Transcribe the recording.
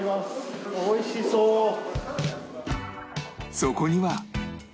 そこには